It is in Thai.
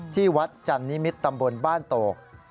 ที่วัดจันนิมิตรตำบลบ้านโตก